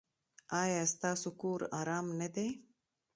ایا ستاسو کور ارام نه دی؟